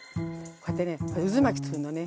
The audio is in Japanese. こうやってね渦巻きつくるのね。